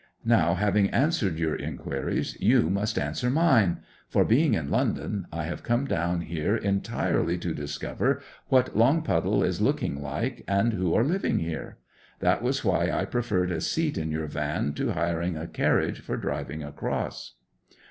Now, having answered your inquiries, you must answer mine; for being in London, I have come down here entirely to discover what Longpuddle is looking like, and who are living there. That was why I preferred a seat in your van to hiring a carriage for driving across.